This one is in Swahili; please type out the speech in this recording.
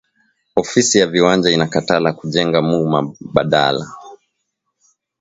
Ofisi ya viwanja ina katala ku jenga mu ma balala